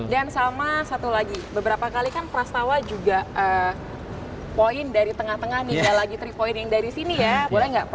dan sama satu lagi beberapa kali kan prastawa juga point dari tengah tengah nih gak lagi tiga point yang dari sini ya